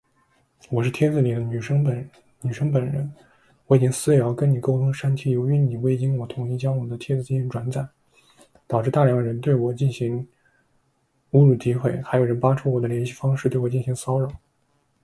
我是帖子里的女生本人，我已经私聊跟你沟通删帖，由于你未经我同意将我的帖子进行转载，导致大量人对我进行辱骂诋毁，还有人扒出来我的联系方式对我进行骚扰